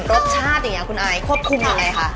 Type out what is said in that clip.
รสชาติอย่างนี้คุณอายควบคุมยังไงคะ